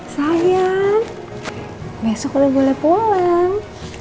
sayang besok boleh boleh pulang